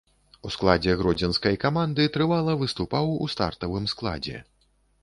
У складзе гродзенскай каманды трывала выступаў у стартавым складзе.